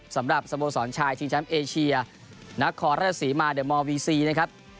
สำหรับสโมสรชายชิงแชมป์เอเชียนครราชศรีมาเดอร์มอร์วีซีนะครับ